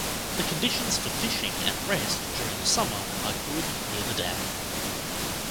The conditions for fishing and rest during the summer are good near the dam.